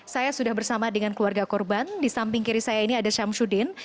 saya sudah bersama dengan keluarga korban di samping kiri saya ini ada syamsuddin